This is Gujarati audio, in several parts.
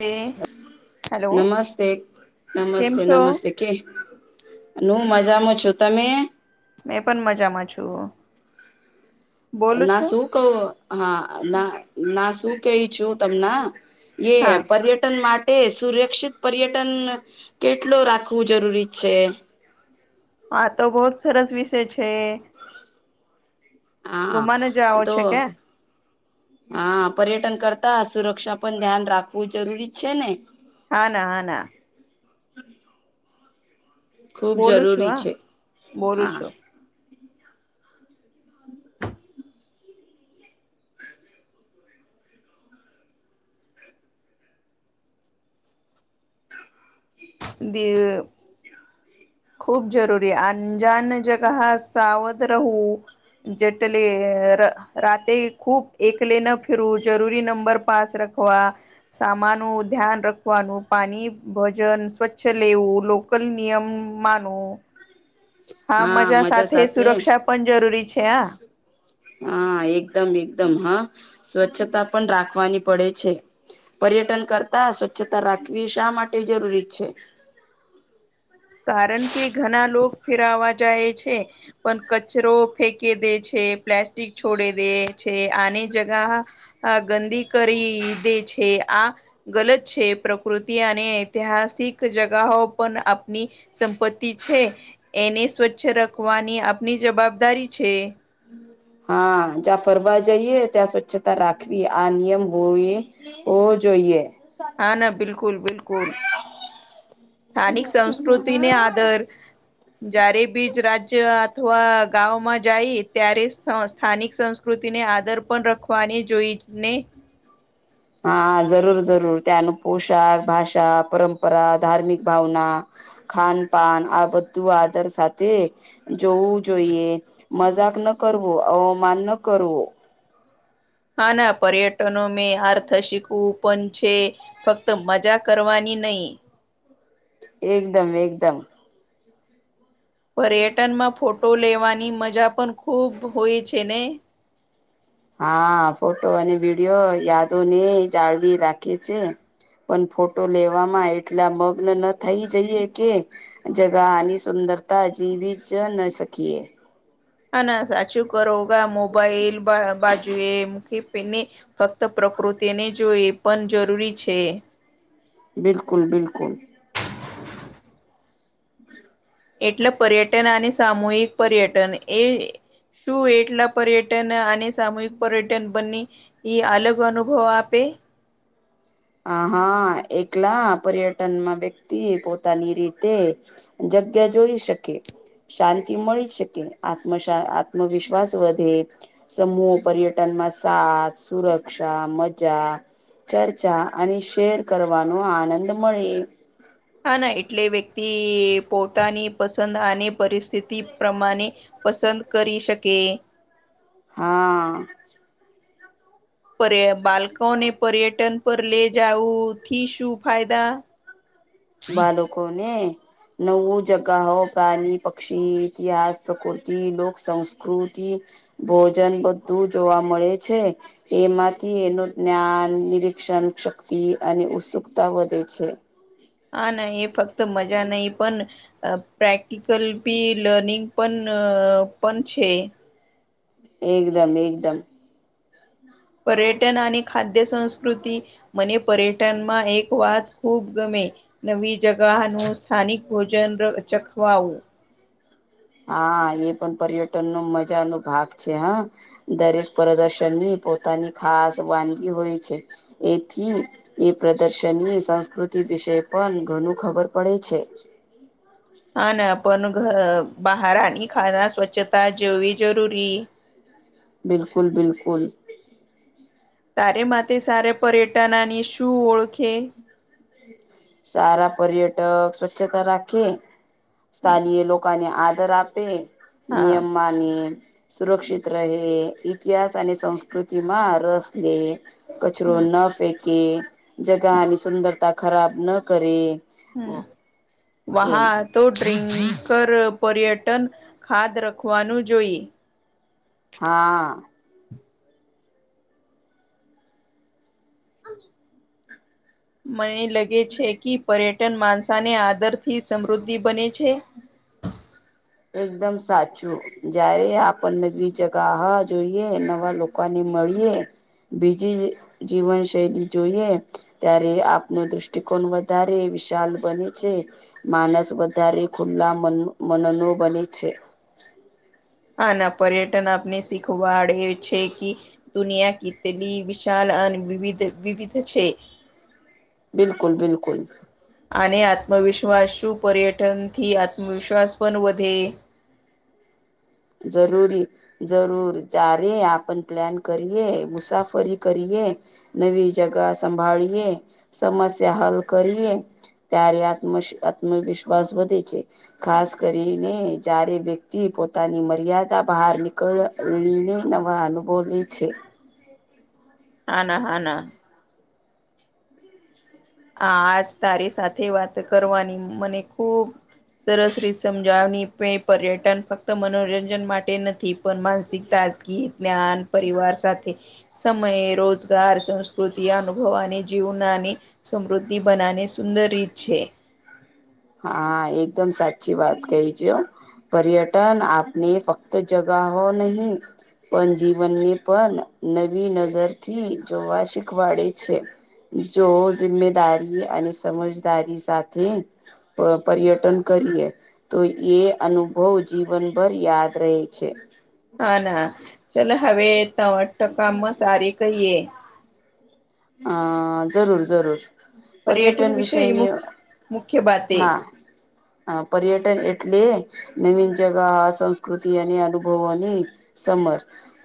એ હેલો નમસ્તે કેમ નમસ્તે છો નમસ્તે કે હું મજામાં છું તમે મેં પણ મજામાં છું બોલું ના છું શું કહું હા ના ના શું કહી છું તમને એ હા પર્યટન માટે એ સુરક્ષિત પર્યટન કેટલો રાખવું જરૂરી છે હા તો બહત સરસ વિષય છે હા ગુમાને હા જાઓ તો છે કે હા પર્યટન કરતા સુરક્ષા પણ ધ્યાન રાખવું જરૂરી છે ને હા ના હા ના ખૂબ બોલું છું જરૂરી હા છે બોલું હા. છું દ. [unintelligible] ખૂબ જરૂરી અંજાન જગા સાવધ રહું. જેટલે રાતે ખૂબ એકલે ન ફિરવું જરૂરી નંબર પાસ રખવા સામાનું ધ્યાન રખવાનું પાણી, ભોજન સ્વચ્છ લેવું લોકલ નિયમ માનવું. હા મજા સાથે સુરક્ષા પણ જરૂરી છે હા હા એકદમ એકદમ હા સ્વચ્છતા પણ રાખવાની પડે છે પર્યટન કરતા સ્વચ્છતા રાખવી શા માટે જરૂરી છે કારણ કે ઘણા લોકો ફેરવા જાય છે પણ કચરો ફેંકે દે છે પ્લાસ્ટિક છોડે દે છે આની જગા ગંદી કરી દે છે આ ગલત છે પ્રકૃતિ અને ઐતિહાસિક જગા પણ ની સંપત્તિ છે એને સ્વચ્છ રાખવાની આપની જવાબદારી છે હા જ્યાં ફરવા જઈએ ત્યાં સ્વચ્છતા રાખવી આ નિયમ હોવી હો જોઈએ. હા ના બિલકુલ બિલકુલ. સ્થાનિક સંસ્કૃતિને આદર જયારે બીજ રાજ્ય અથવા ગામમાં જાય ત્યારે સ્થાનિક સંસ્કૃતિને આદર પણ રાખવાની જોઈને. હા જરૂર જરૂર ત્યાંનું પોશાક, ભાષા, પરંપરા, ધાર્મિક ભાવના ખાન પાાન આ બધું આદર સાથે જોવું જોઈએ મજાક ન કરવો, અવમાન ન કરવો. હા ના પર્યટનો મેં આર્થ શીખવું પણ છે. ફક્ત મજા કરવાની નહીિ. એકદમ એકદમ. પર્યટનમાં ફોટો લેવાની મજા પણ ખુબ હોય છે. હા ફોટો અને વિડીિયો યાદો ને જાળવી રાખે છે. પણ ફોટો લેવામાં એટલા મગ્ન ન થઈ જઈએે કે જગાની સુંદરતા અજીવી જ ન સકીીએ. હા ના સાચું કરોા મોબાઈલ બાજુએ મુ પને ફક્ત પ્રકૃતિને જો એ પણ જરૂરી છે. બિલકુલ બિલકુલ. એટલે પર્યટન અને સામૂહિક પર્યટન એ શું એટલા પર્યટન અને સામૂહિક પર્યટન બને અલગ અનુભવ આપે. હ હા એકલા પર્યટનમાં વ્યક્તિ પોતાની રીતે જગ્યા જોઈ શકે. શાંતિ મળી શકે આત્મા આત્મવિશ્વાસ વધે. સમૂહો પર્યટન માં સાથ સુરક્ષા મજા ચર્ચ ચર્ચા અને શેર કરવાનો આનંદ મળે. હા ના એટલે વ્યક્તિ પોતાની પસંદ અને પરિસ્થિતિ પ્રમાણે પસંદ કરી શકે. હા. પર બાળકોને પર્યટન પર લે જાવુંથી શું ફાયદા? બાાલકો ને નવું જગા પ્રાણી, પક્ષી ઇતિહાસ પ્રકૃતિ લોક સંસ્કૃતિ ભોજન બધું જોવા મળે છે. એમાંથી એનું જ્ઞાન નિરીક્ષણ શક્તિ અને ઉત્સુકતા વધે છે. હા ના એ ફક્ત મજા નહી પણ પ્રેક્ટિકલ બી લર્નિંગ પણ પણ છે. એકદમ એકદમ. પર્યટન અને ખાદ્ય સંસ્કૃતિ મને પર્યટનમાં એક વાત ખૂબ ગમે. નવી જગાહ નું સ્થાનિક ભોજન ર ચખવાવુ. હા, એ પણ પર્યટન નો મજા નો ભાગ છે હ. દરેક પ્રદર્શનની પોતાની ખાસ વાનગી હોય છે એથી એ પ્રદર્શની સંસ્કૃતિ વિશે પણ ઘણું ખબર પડે છે. હા ના પણ ઘ બહારની ખાના સ્વચ્છતા જેવી જરૂરી. બિલકુલ બિલકુલ. તારે માટેથે સારે પર્યટનની શું ઓળખે. સારા પર્યટક સ્વચ્છતા રાખી સ્થનીય લોકો ને આધર આપે હા નિયમમાંની સુરક્ષિત રહે, ઇતિહાસ અને સંસ્કૃતિમાં રસ લે. કચરો હમ ન ફેંકે, જગાની સુંદરતા ખરાબ ન કરે. હમ્મ, એમ વાહ તો ડ્રિકર પર્યટન ખાદ રખવાનું જોઈ. હા. મને લગે છે કે પર્ય ટન માનસાની આદરથી સમૃદ્ધિ બને છે. એકદમ સાચું. જ્યારે આપણને બી જગાહા જોઈએ નવા લો કા ને મળીએ, બીજી જીવન શૈલી જોઈએ ત્યારે આપનો દૃષ્ટિકોણ વધારે વિશાલ બને છે. માનસ વધારે ખુલ્લા મન મનનો બને છે. હા ને પર્યટન આપને શીખવાડે છે કી દુનિયા કીતલી વિશાલ અને વિવિધ, વિવિધ છે. બિલકુલ, બિલકુલ. આને આત્મવિશ્વાસશું પર્યટનથી આત્મવિશ્વાસ પન વધે. જરૂરી જરૂર, ચારે આપન પ્લાન કરીએ, મુસાફરી કરીએ નવી જગા સંભાળીએ, સમસ્યા હલ કરીએ. ત્યારે આત્મશ આત્મવિશ્વાસ વધે છે. ખાસ કરીને જારે વ્યક્તિ પો તાની મર્યાદા બાહાર નીકળલીને નવા અનુભવ લે છે. હાના હાના. આજ તારી સાથે વાત કરવાની મને ખુબ સરસ રીસમ જાવની પે પર્યટન ફક્ત મનોરંજન માટે નથી. પણ માનસિક તાજગી, જ્ઞાન પરિવાર સાથે સમયે રોજગાર, સંસ્કૃતિ અનુભવાની, જીવનાની સમૃદ્ધિ બનાને સુંદર રીત છે. હા, એકદમ સાચી વાત કહી ચે હ. પર્યટન આપને ફક્ત જગાહો નહી પણ જીવનને પણ, નવી નજરથી જોવા શીખવાડે છે. જો જિમ્મેદારી અને સમજદારી સાથે પ પર્યટન કરીએ તો એ અનુભવ જીવનભર યાદ રહે છે. હા ના, ચલો હવે ટણઠ ટકામાં સારી કહીએ. અ, ઝરૂર ઝરૂર. પર્યટન વિષય વિષયની, મુખ્ય મુખ્ય બાતે હા. હ પર્યટન એટલે, નીવીન જગા સંસ્કૃતિ અને અનુભવોની સમર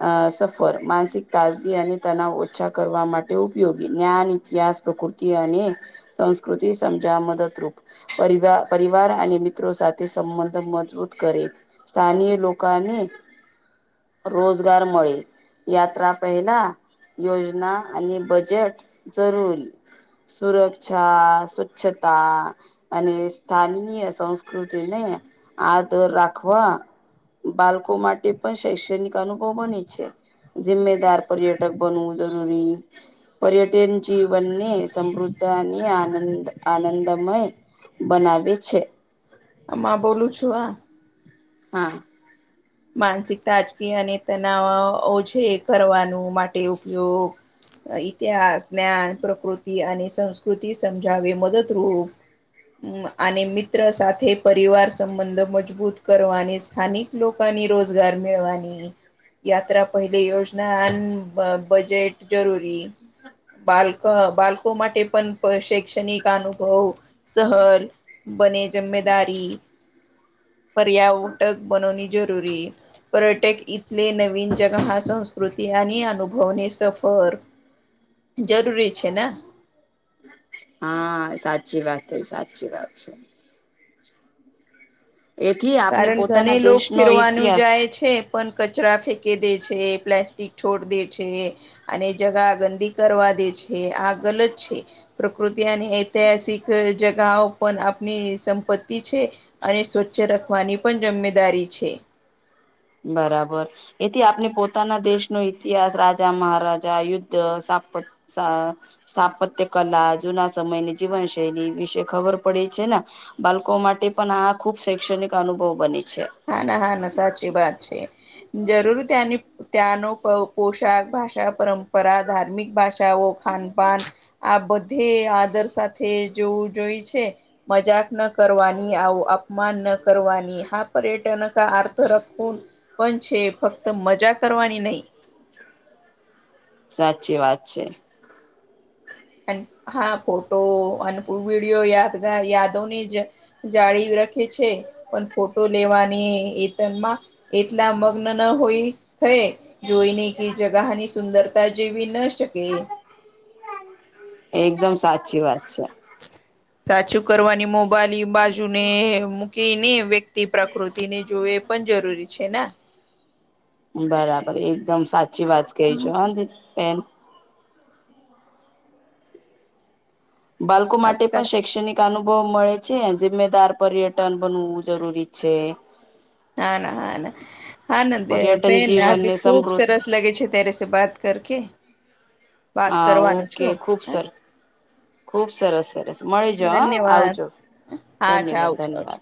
અ સફર માનસિક તાજગી અને તનાવ ઓછા કરવા મા ટે ઉપયોગી. જ્ઞાન, ઇતિહાસ, પ્રકૃતિ અને સંસ્કૃતિ સમજાવા મદદરૂપ. પરિવા પરિવાર અને મિત્રો સાથે સંબંધ મજબૂત કરે સ્થાનીય લોકને રોજગાર મળી યાત્રા પહેલા યોજના અને બજેટ જરૂરી. સુરક્ષા, સ્વચ્છતા અને સ્થાનીય સંસ્કૃતિને આદર રાખવા બાલકો માટે પણ શૈક્ષણિક અનુભવ બની છે. ઝીમ્મેદાર પર્યટક બનવુ જરૂરી પર્યટન જીવનને સમૃદ્ધ અને આનંદ આનંદમય બનાવેે છે. અમાં બોલું છું આ હા માનસિક તાજકીય અને તનાવ ઓછ કરવાનું માટે ઉપયોગ ઇતિહાસ જ્ઞાન પ્રકૃતિ અને સંસ્કૃતિ સમજાવ મદદરૂપ અને મિત્ર સાથે પરિવાર સંબંધો મજબૂત કરવાની સ્થાનિક લોકો ની રોજગાર મેળવાની યાત્રા પહેલી યોજના અને બજેટ જરૂરી બાલક બાળકો માટે પણ શૈક્ષણિક અનુભવ સહલ બને જમમેદારી પર્યાવટક બનોની જરૂરી પર્યટક થલે નવીન જગા સંસ્કૃતિ અને અનુભવને સફર જરૂરી છે ને હા સાચી વાત છે સાચી વાત છે એથી આપને કારણ પોતાના ઘણી લો દેશનો ફેરવાનું જાય ઇતિહાસ છે પણ કચરા ફેંકે દે છે પ્લાસ્ટિક છોડ દે છે અને જગા ગંદી કરવા દે છે આ ગલત છે પ્રકૃતિ અને ઐતિહાસિક જગાઓ પણ આપની સંપત્તિ છે અને સ્વચ્છ રાખવાની પણ જમેદારી છે બરાબર એથી આપણે પોતાના દેશનો ઇતિહાસ રાજા મહારાજા યુદ્ધપત સ સ્થાપત્ય કલા જૂના સમયની જીવનશૈલી વિશે ખબર પડી છે ને બાળકો માટે પણ આ ખુબ શૈક્ષણિક અનુભવ બને છે હા ના હા ના સાચી વાત છે જરૂર ત્યાંની ત્યાંનો પોશાક ભાષા પરંપરા ધાર્મિક ભાષાઓ ખાનપાન આ બધે આદર સાથે જોવું જોઈ છે મજાક ન કરવાની આવું અપમાન ન કરવાની હા પર્યટન ક આર્તરખ પણ છે ફક્ત મજા કરવાની નહી સાચી વાત છે હા ફોટો અનૂ વિડીિયો યાદગાર યાદોની જ જાળ રાખે છે પણ ફોટો લેવાની એતનમાં એટલા મગ્ન ન હોય થય જોઈને કે જગાની સુંદરતા જેવી ન શકે એકદમ સાચી વાત છે સાચું કરવાની મોબાઈલ બાજુ ને મૂકી ને વ્યક્તિ પ્રકૃતિ ને જોએ પણ જરૂરી છે ને બરાબર એકદમ સાચી વાત ક હમ, છેો પ બાળકો માટે આપતા પણ શૈક્ષણિક અનુભવ મળે છે જિમ્મેદાર પર્યટન બનવું જરૂરી છે હા ના હા ના હા પર્યટન બેન આ જીવનને ભી ખુબ સમૃદ્ધ સરસ લાગે છે તરેસે બાત કર કે હા ઓકે ખુબ હા સરાર ખુબ સરસ સરસ મળી જા હા ધન્યવાદ આવજો હા ધન્યવાદ જાઉં છું ધન્યવાદ